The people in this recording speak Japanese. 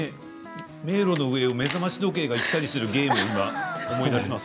迷路の上を目覚まし時計が行ったり来たりしているゲームを思い出します。